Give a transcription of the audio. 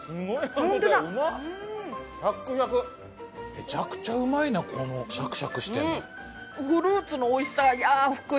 めちゃくちゃうまいなこのシャクシャクしてるの。